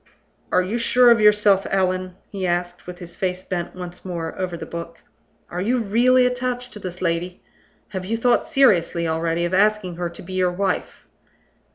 "Are you sure of yourself, Allan?" he asked, with his face bent once more over the book. "Are you really attached to this lady? Have you thought seriously already of asking her to be your wife?"